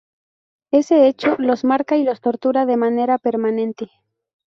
Ese hecho, los marca y los tortura de manera permanente.